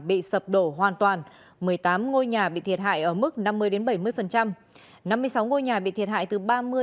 bị sập đổ hoàn toàn một mươi tám ngôi nhà bị thiệt hại ở mức năm mươi bảy mươi năm mươi sáu ngôi nhà bị thiệt hại từ ba mươi